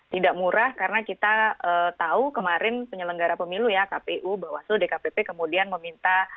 tidak murah karena kita tahu kemarin penyelenggara pemilu ya kpu bawaslu dkpp kemudian meminta